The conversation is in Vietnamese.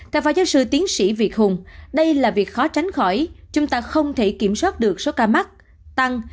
cà phó giáo sư tiến sĩ việt hùng đây là việc khó tránh khỏi chúng ta không thể kiểm soát được số ca mắc tăng